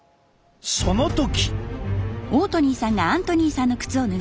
その時！